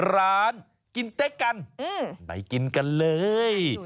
ร้านกินเต๊กกันไปกินกันเลย